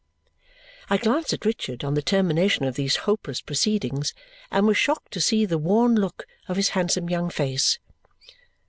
I glanced at Richard on the termination of these hopeless proceedings and was shocked to see the worn look of his handsome young face.